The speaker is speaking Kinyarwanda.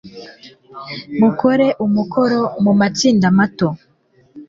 Mukore umukoro mu matsinda mato